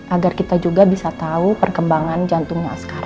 agar kita juga bisa tahu perkembangan jantungnya sekarang